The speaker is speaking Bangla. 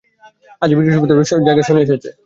আজই বৃহস্পতির জায়গায় শনি এসেছে।